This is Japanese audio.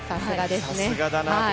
さすがだなと。